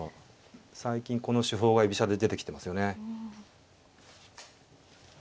最近この手法が居飛車で出てきてますよね。